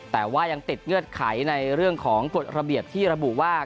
แต่ว่ายังติดเงื่อนไขในเรื่องของกฎระเบียบที่ระบุว่า